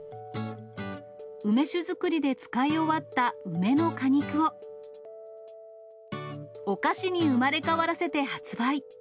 梅酒作りで使い終わった梅の果肉を、お菓子に生まれ変わらせて発売。